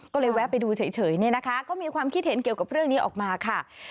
ก็เลยแวะไปดูเฉยเนี่ยนะคะก็มีความคิดเห็นเกี่ยวกับเรื่องนี้ออกมาค่ะ